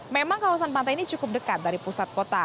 memang kawasan pantai ini cukup dekat dari pusat kota